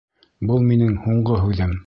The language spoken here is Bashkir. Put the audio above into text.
Был минең һуңғы һүҙем!